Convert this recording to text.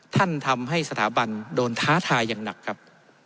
ทำให้สถาบันโดนท้าทายอย่างหนักครับ